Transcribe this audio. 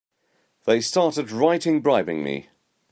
They started right in bribing me!